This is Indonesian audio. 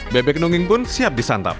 bebek nungging pun siap disantap